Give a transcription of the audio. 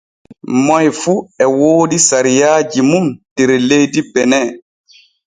Moy fu e woodi sariaaji mun der leydi bene.